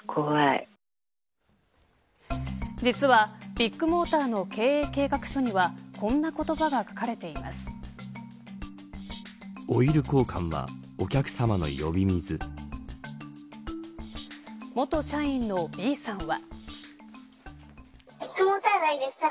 実は、ビッグモーターの経営計画書には、こんな言葉が元社員のＢさんは。